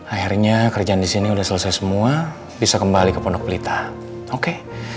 akhirnya kerjaan di sini udah selesai semua bisa kembali ke pondok pelita oke